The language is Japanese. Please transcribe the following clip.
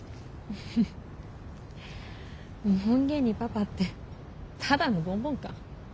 フフッ門限にパパってただのボンボンか。